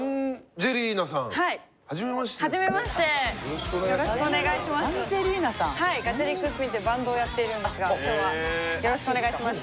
ＧａｃｈａｒｉｃＳｐｉｎというバンドをやっているんですが今日はよろしくお願いします。